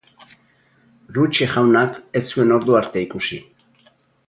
Ruche jaunak ez zuen ordu arte ikusi.